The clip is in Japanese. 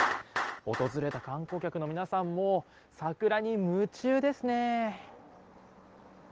訪れた観光客の皆さんも桜に夢中ですね。